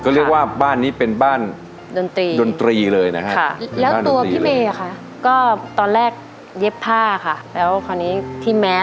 เพราะว่ามันลดตลาดไปแล้ว